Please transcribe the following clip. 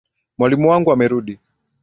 Mwalimu wangu amerudi.